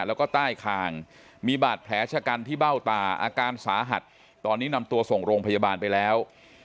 แล้วก็ใต้คางมีบาดแผลชะกันที่เบ้าตาอาการสาหัสตอนนี้นำตัวส่งโรงพยาบาลไปแล้ว